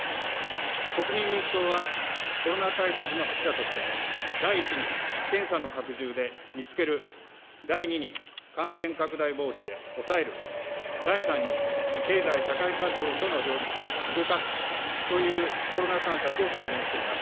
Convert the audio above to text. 国民民主党はコロナ対策の柱として、第１に検査の拡充で見つける、第２に感染拡大防止で抑える、第３に経済・社会活動との両立で動かすというコロナ三策を提言しています。